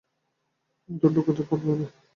অতটুকুতে পটব না।